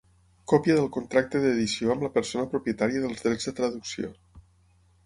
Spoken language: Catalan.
Còpia del contracte d'edició amb la persona propietària dels drets de traducció.